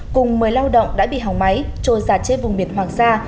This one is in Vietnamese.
cùng một mươi lao động đã bị hỏng máy trôi giặt trên vùng biển hoàng sa